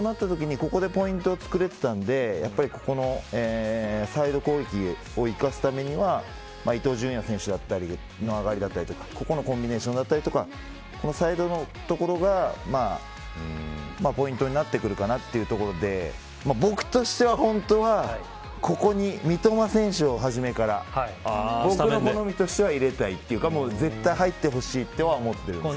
そういうときに、ここでポイントがつくれてたんでやはりここのサイド攻撃を生かすためには伊東純也選手だったりここのコンビネーションだったりサイドの所がポイントになってくるかなというところで僕としては本当はここに三笘選手をはじめから僕の好みとしては入れたい。というか絶対入ってほしいと思ってるんです。